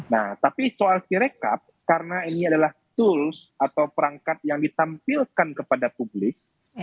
nah tapi soal sirekap karena ini adalah tools atau perangkat yang ditampilkan kepada publik